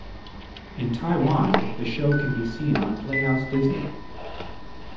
In Taiwan, the show can be seen on Playhouse Disney.